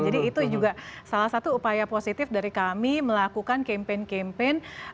jadi itu juga salah satu upaya positif dari kami melakukan campaign campaign